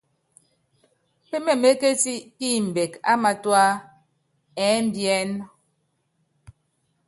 Pémémékéti pimbɛk á matua ɛ́mbiɛ́n.